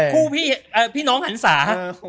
คู่พี่พี่น้องหันศา